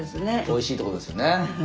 おいしいってことですよね。